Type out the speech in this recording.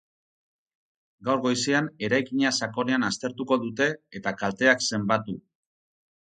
Gaur goizean eraikina sakonean aztertuko dute, eta kalteak zenbatu.